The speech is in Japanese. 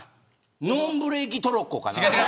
ノーブレーキトロッコかな。